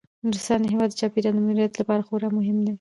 نورستان د هیواد د چاپیریال د مدیریت لپاره خورا مهم دی.